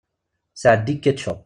Sɛeddi ketchup.